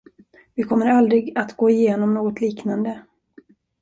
Vi kommer aldrig att gå igenom något liknande.